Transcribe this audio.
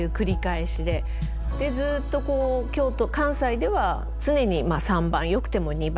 でずっとこう京都関西では常に３番よくても２番。